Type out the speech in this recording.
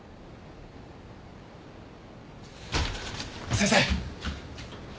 ・先生！